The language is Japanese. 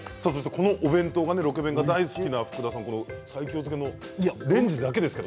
このお弁当が、ロケ弁が大好きな福田さん、西京漬けでレンチンだけですけど。